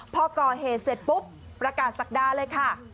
พอก่อเหตุเสร็จปุ๊บประกาศศักดาเลยค่ะ